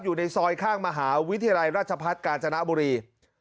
อยู่ในซอยข้างมหาวิทยาลัยราชพัฒน์กาญจนบุรี